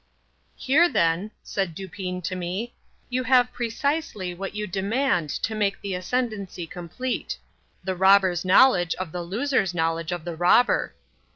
"Here, then," said Dupin to me, "you have precisely what you demand to make the ascendancy complete—the robber's knowledge of the loser's knowledge of the robber."